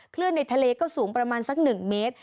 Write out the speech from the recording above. ในทะเลก็สูงประมาณสัก๑เมตร